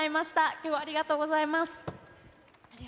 きょうはありがとうございます。